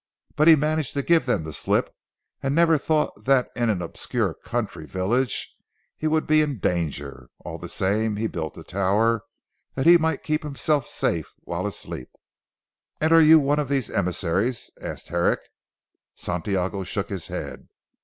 But he managed to give them the slip, and never thought that in an obscure country village he would be in danger. All the same he built the tower that he might keep himself safe while asleep." "And are you one of these emissaries?" asked Herrick. Santiago shook his head.